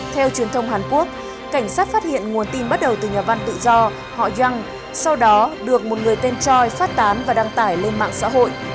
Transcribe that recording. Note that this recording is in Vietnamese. theo truyền thông hàn quốc cảnh sát phát hiện nguồn tin bắt đầu từ nhà văn tự do họ yang sau đó được một người tên choi phát tán và đăng tải lên mạng xã hội